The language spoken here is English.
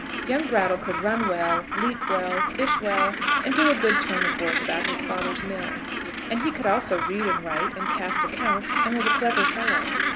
Young Brattle could run well, leap well, fish well, and do a good turn of work about his father's mill. And he could also read and write, and cast accounts, and was a clever fellow.